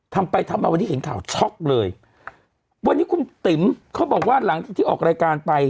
ทำไปทำมาวันนี้เห็นข่าวช็อกเลยวันนี้คุณติ๋มเขาบอกว่าหลังจากที่ออกรายการไป